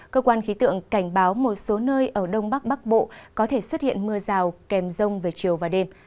cơ quan khí tượng cảnh báo một số nơi ở đông bắc bắc bộ có thể xuất hiện mưa rào kèm rông về chiều và đêm